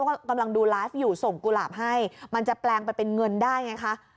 ก็กำลังดูไลฟ์อยู่ส่งกุหลาบให้มันจะแปลงไปเป็นเงินได้ไงคะ